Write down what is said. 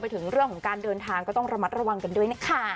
ถึงเรื่องของการเดินทางก็ต้องระมัดระวังกันด้วยนะคะ